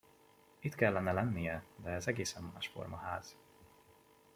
Itt kellene lennie, de ez egészen másforma ház.